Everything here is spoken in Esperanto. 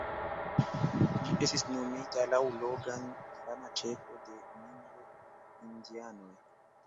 Ĝi estis nomita laŭ Logan, fama ĉefo de Mingo-indianoj.